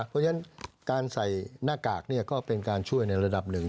เพราะฉะนั้นการใส่หน้ากากก็เป็นการช่วยในระดับหนึ่ง